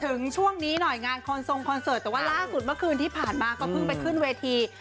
ถึงช่วงนี้หน่อยงานคอนทรงคอนเสิร์ตแต่ว่าล่าสุดเมื่อคืนที่ผ่านมาก็เพิ่งไปขึ้นเวที